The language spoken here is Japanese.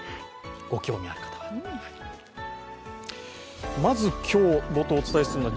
ご興味ある方は。